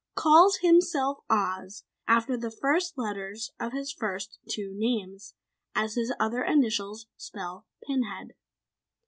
"Calls himself Oz after the first letters of his first two names, as his other initials spell Pinhead.